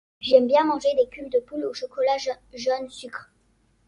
J'aime manger des culs de poule au chocolat jaune sucr